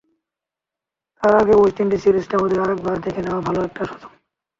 তার আগে West Indies সিরিজটা ওদের আরেকবার দেখে নেওয়ার ভালো একটা সুযোগ।